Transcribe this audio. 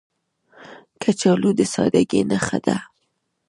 کچالو د سادګۍ نښه ده